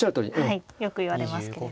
はいよくいわれますけれど。